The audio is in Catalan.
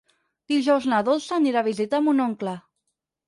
Dijous na Dolça anirà a visitar mon oncle.